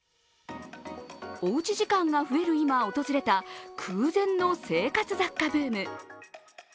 おうち時間が増える今、訪れた空前の生活雑貨ブーム。